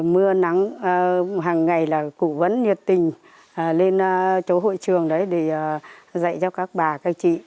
mưa nắng hàng ngày là cụ vẫn nhiệt tình lên chỗ hội trường đấy để dạy cho các bà các chị